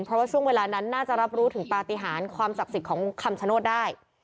เพราะว่าช่วงเวลานั้นน่าจะรับรู้ถึงปฏิหารความศักดิ์สิทธิ์ของคำชโนธได้